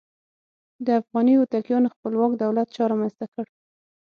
د افغاني هوتکیانو خپلواک دولت چا رامنځته کړ؟